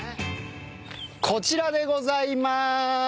こちらでございます。